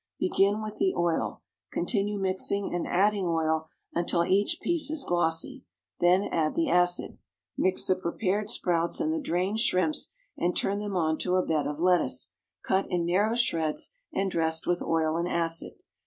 Begin with the oil. Continue mixing and adding oil, until each piece is glossy. Then add the acid. Mix the prepared sprouts and the drained shrimps, and turn them onto a bed of lettuce, cut in narrow shreds, and dressed with oil and acid.